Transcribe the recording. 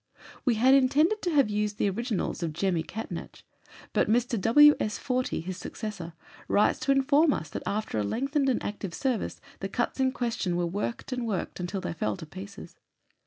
We had intended to have used the originals of "Jemmy" Catnach, but Mr. W. S. Fortey, his successor, writes to inform us that, after a lengthened and active service, the cuts in question were worked and worked until they fell to pieces.